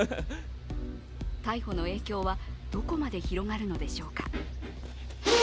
逮捕の影響はどこまで広がるのでしょうか。